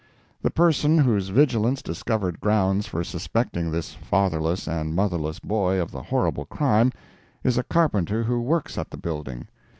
The person whose vigilance discovered grounds for suspecting this fatherless and motherless boy of the horrible crime, is a carpenter who works at the building.